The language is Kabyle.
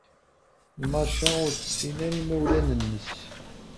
Masha ur tessin ara imawlan-nnes.